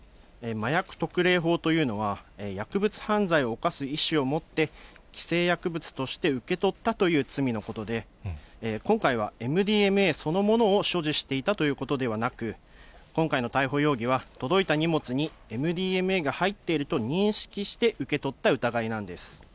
麻薬特例法というのは、薬物犯罪を犯す意思を持って、規制薬物として受け取ったという罪のことで、今回はＭＤＭＡそのものを所持していたということではなく、今回の逮捕容疑は、届いた荷物にＭＤＭＡが入っていると認識して、受け取った疑いなんです。